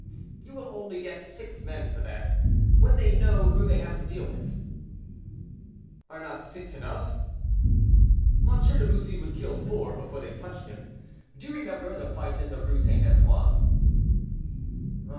"You will only get six men for that, when they know who they have to deal with." "Are not six enough?" "M. de Bussy would kill four before they touched him. Do you remember the fight in the Rue St. Antoine?"